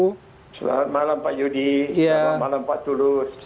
selamat malam pak yudi selamat malam pak tulus